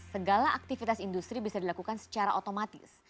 segala aktivitas industri bisa dilakukan secara otomatis